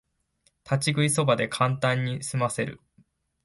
立ち食いそばでカンタンにすませる